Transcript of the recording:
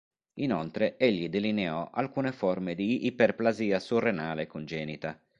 Inoltre egli delineò alcune forme di iperplasia surrenale congenita.